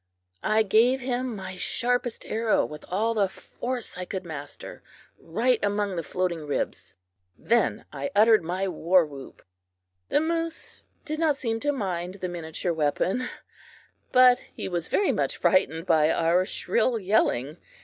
I gave him my sharpest arrow with all the force I could master, right among the floating ribs. Then I uttered my warwhoop. The moose did not seem to mind the miniature weapon, but he was very much frightened by our shrill yelling.